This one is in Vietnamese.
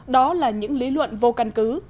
đó là những lý luận vô căn cứ